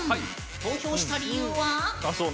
投票した理由は？